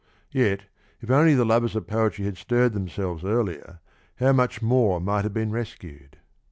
Yet, if only the lovers of poetry had stirred themselves earlier how much more might have been rescued.